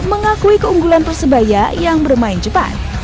mengakui keunggulan persebaya yang bermain cepat